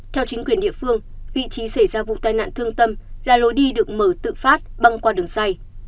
theo chính quyền địa phương vị trí xảy ra vụ tai nạn thương tâm là lối đi được mở tự phát băng qua đường dây